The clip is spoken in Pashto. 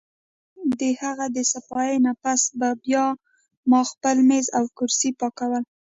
د هغه د صفائي نه پس به بیا ما خپل مېز او کرسۍ پاکول